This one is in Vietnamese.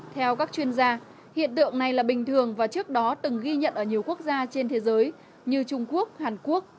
theo các chuyên gia hiện tượng này là bình thường và trước đó từng ghi nhận ở nhiều quốc gia trên thế giới như trung quốc hàn quốc